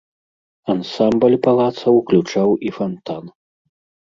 Ансамбль палаца ўключаў і фантан.